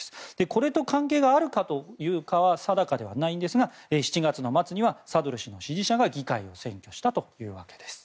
これと関係があるかは定かではないですが７月末にはサドル師の支持者が議会を占拠したというわけです。